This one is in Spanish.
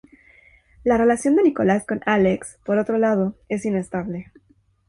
La relación de Nicolas con Alex, por otro lado, es inestable.